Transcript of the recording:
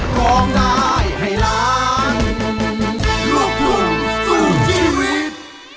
ขอบคุณทุกคน